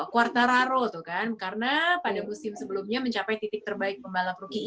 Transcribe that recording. quartararo tuh kan karena pada musim sebelumnya mencapai titik terbaik pembalap rookie